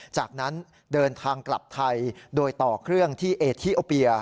จากนั้นเดินทางกลับไทยโดยต่อเครื่องที่เอทีโอเปีย